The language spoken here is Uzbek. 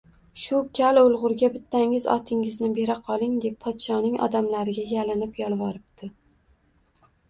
Shu kal o‘lgurga bittangiz otingizni bera qoling, deb podshoning odamlariga yalinib-yolvoribdi